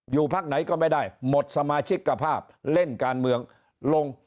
อยู่ภักดิ์ไหนก็ไม่ได้หมดสมาชิกกระทับเล่นการเมือง